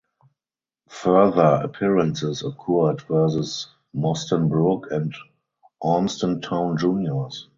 Further appearances occurred versus Moston Brook and Urmston Town Juniors.